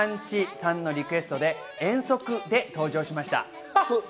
さんのリクエストで遠足で登場しました。